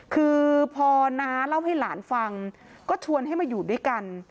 คือพอน้าเล่าให้หลานฟังก็ชวนให้มาอยู่ด้วยกัน